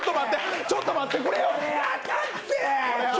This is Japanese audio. ちょっと待ってくれよ！